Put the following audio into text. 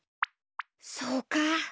そうか！